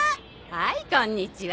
はいこんにちは。